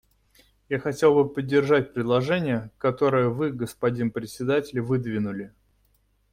Я хотел бы поддержать предложение, которое Вы, господин Председатель, выдвинули.